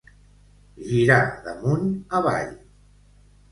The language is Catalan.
Girar d'amunt avall.